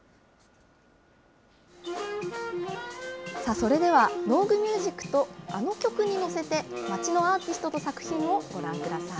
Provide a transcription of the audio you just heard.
それでは、農具ミュージックと、あの曲に乗せて、町のアーティストと作品をご覧ください。